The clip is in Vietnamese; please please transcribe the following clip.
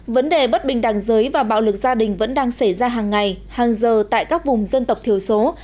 vấn đề bất bình đẳng giới và bạo lực gia đình vẫn đang xảy ra hàng ngày hàng giờ tại các vùng dân tộc thiểu số